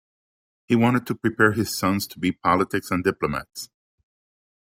He wanted to prepare his sons to be politics and diplomats.